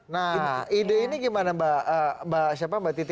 nah ide ini gimana mbak titi